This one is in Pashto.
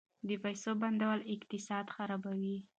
د پیسو بندول اقتصاد خرابوي.